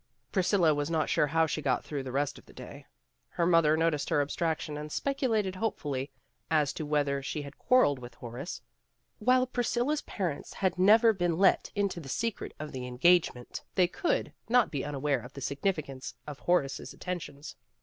Priscilla was not sure how she got through the rest of the day. Her mother noticed her abstraction and speculated hopefully as to whether she had quarreled with Horace. While Priscilla y s parents had never been let AT THE FOOT BALL GAME 213 into the secret of the engagement, they could not be unaware of the significance of Horace's attentions.